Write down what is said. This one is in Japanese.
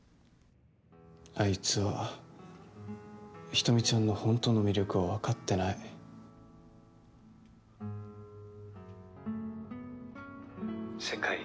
あいつは人見ちゃんの本当の魅力をわかってない世界一